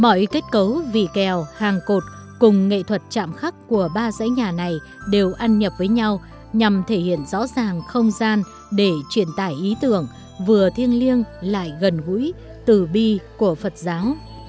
mọi kết cấu vị kèo hàng cột cùng nghệ thuật chạm khắc của ba dãy nhà này đều ăn nhập với nhau nhằm thể hiện rõ ràng không gian để truyền tải ý tưởng vừa thiêng liêng lại gần gũi từ bi của phật giáo